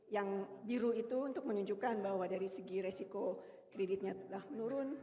yang biru itu untuk menunjukkan bahwa dari segi resiko kreditnya telah menurun